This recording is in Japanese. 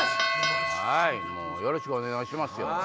よろしくお願いしますよ